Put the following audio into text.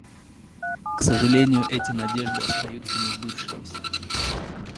К сожалению, эти надежды остаются несбывшимися.